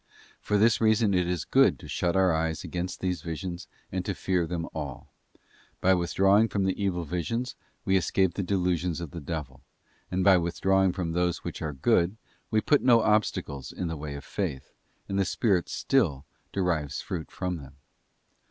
For this reason it is good to shut our eyes against these visions and to fear them all. By withdrawing from the evil visions we escape the delusions of the devil; and by withdrawing from those which are good we put no obstacles in the way of faith, and the _ spirit still derives fruit from them.